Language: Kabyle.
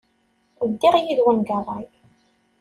Ddiɣ yid-wen deg ṛṛay.